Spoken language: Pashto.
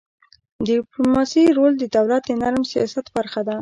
د ډيپلوماسی رول د دولت د نرم سیاست برخه ده.